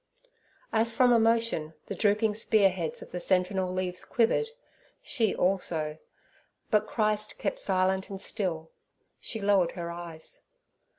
As from emotion, the drooping spearheads of the sentinel leaves quivered, she also, but Christ kept silent and still; she lowered her eyes.